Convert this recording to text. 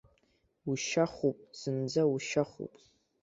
Ушьахәуп, зынӡа ушьахуп!